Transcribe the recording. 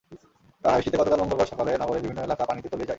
টানা বৃষ্টিতে গতকাল মঙ্গলবার সকালে নগরের বিভিন্ন এলাকা পানিতে তলিয়ে যায়।